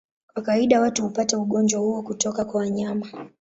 Kwa kawaida watu hupata ugonjwa huo kutoka kwa wanyama.